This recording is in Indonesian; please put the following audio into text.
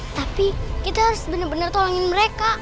tapi kita harus bener bener tolongin mereka